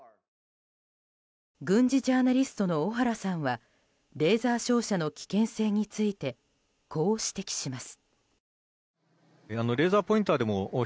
軍事ジャーナリストの小原さんはレーザー照射の危険性についてこう指摘します。